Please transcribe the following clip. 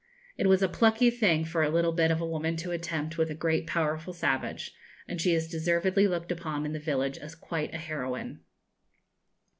It was a plucky thing for a little bit of a woman to attempt with a great powerful savage, and she is deservedly looked upon in the village as quite a heroine.